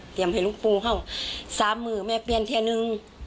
เตียบให้ลุงปุ้ข้าสามมือแม่เปลี่ยนทีหนึ่ง